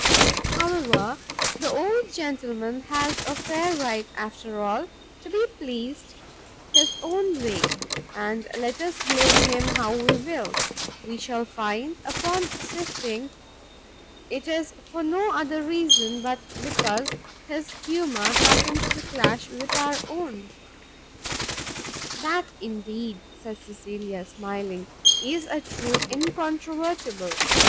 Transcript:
However, the old gentleman has a fair right, after all, to be pleased his own way, and let us blame him how we will, we shall find, upon sifting, it is for no other reason but because his humour happens to clash with our own." "That, indeed," said Cecilia, smiling, "is a truth incontrovertible!